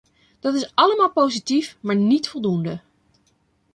Dat is allemaal positief maar niet voldoende.